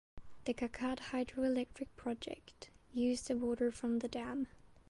The Kakkad Hydroelectric Project use the water from the dam.